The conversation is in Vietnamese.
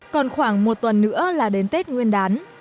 còn khoảng một tuần nữa là đến tết nguyên đán